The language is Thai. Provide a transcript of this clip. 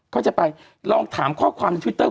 ก็จะไปลองถามข้อความในทวิตเตอร์